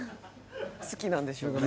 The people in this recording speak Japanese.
好きなんでしょうね。